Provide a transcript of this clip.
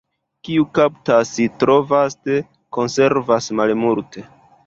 Kiu kaptas tro vaste, konservas malmulte.